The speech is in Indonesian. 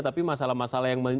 tapi masalah masalah yang